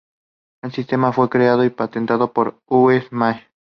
El sistema fue creado y patentado por Uwe Mass.